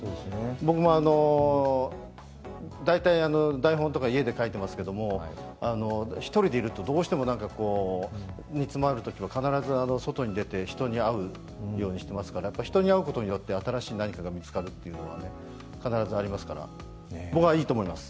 僕も大体、台本とか家で書いてますけれども、１人でいると、どうしても煮詰まるときは必ず外に出て、人に会うようにしてますからやっぱり人に会うことによって新しい何かが見つかるということは必ずありますから、僕はいいと思います。